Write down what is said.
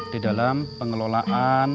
di dalam pengelolaan